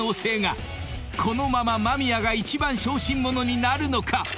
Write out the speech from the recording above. ［このまま間宮が一番小心者になるのか⁉］